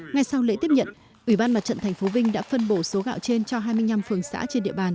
ngay sau lễ tiếp nhận ủy ban mặt trận tp vinh đã phân bổ số gạo trên cho hai mươi năm phường xã trên địa bàn